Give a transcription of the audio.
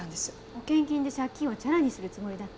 保険金で借金をチャラにするつもりだった。